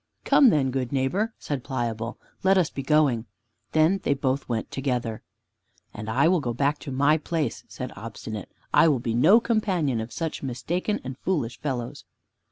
"Come then, good neighbor," said Pliable, "let us be going." Then they went both together. "And I will go back to my place," said Obstinate. "I will be no companion of such mistaken and foolish fellows."